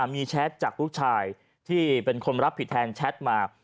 มีแชทจากลูกชายที่เป็นคนรับผิดแทนแชทมา